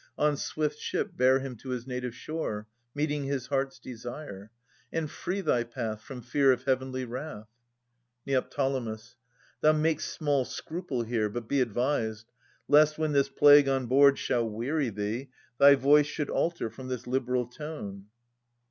On swift ship bear him to his native shore. Meeting his heart's desire ; and free thy path From fear of heavenly wrath. Neo. Thou mak'st small scruple here ; but be advised : Lest, when this plague on board shall weary thee, Thy voice should alter from this liberal tone.